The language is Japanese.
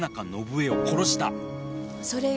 それよ！